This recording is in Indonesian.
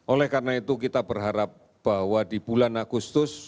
oleh karena itu kita berharap bahwa di bulan agustus